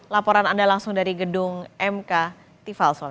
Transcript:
laporan anda langsung dari gedung mk tifalson